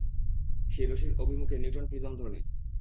সেই রশ্মির অভিমুখে নিউটন প্রিজম ধরলেন।